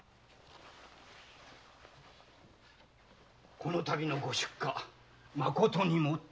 このたびのご出火まことにもって。